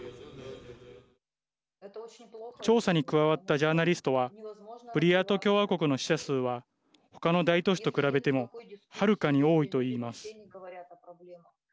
調査に加わったジャーナリストはブリヤート共和国の死者数はほかの大都市と比べてもはるかに多いといいます。